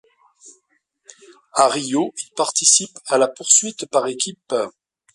À Rio, il participe à la poursuite par équipes.